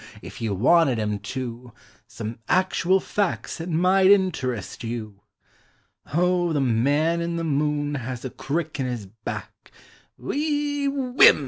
If you wanted Vm to Some actual facts that might interest you! " O the Man in the Moon has a crick in his back; Whee! Whim in!